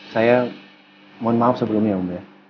saya mohon maaf sebelumnya om bu ya